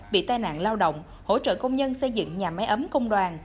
bị tai nạn lao động hỗ trợ công nhân xây dựng nhà máy ấm công đoàn